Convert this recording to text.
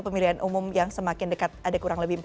pemilihan umum yang semakin dekat ada kurang lebih